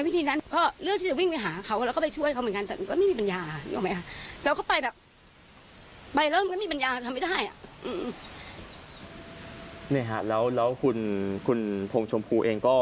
ตอนนั้นคือเราคงคิดว่าอาจจะหัวเรื่องม้ำนี่หรือไม่ไง